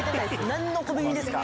何の小耳ですか？